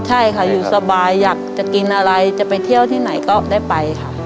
ใช่ค่ะอยู่สบายอยากจะกินอะไรจะไปเที่ยวที่ไหนก็ได้ไปค่ะ